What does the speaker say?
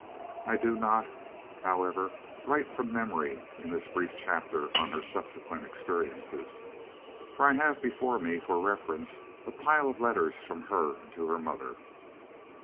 I do not, however, write from memory in this brief chapter on her subsequent experiences, for I have before me for reference a pile of letters from her to her mother.